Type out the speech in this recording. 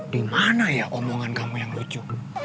di mana ya omongan kamu yang lucu